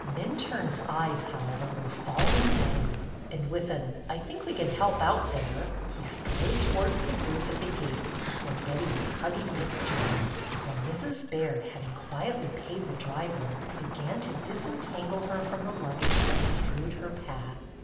Minturne's eyes, however, were following Betty, and with an "I think we can help out there," he strode towards the group at the gate, where Betty was hugging Miss Jane, while Mrs. Baird, having quietly paid the driver, began to disentangle her from the luggage that strewed her path.